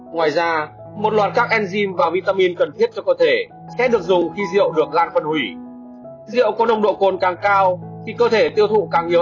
ngoài ra một loạt các enzyme và vitamin cần thiết cho cơ thể sẽ được dùng khi rượu được lan